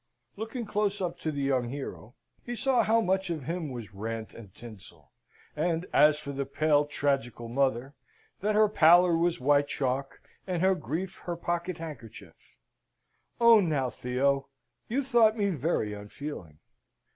Looking close up to the young hero, we saw how much of him was rant and tinsel; and as for the pale, tragical mother, that her pallor was white chalk, and her grief her pocket handkerchief. Own now, Theo, you thought me very unfeeling?"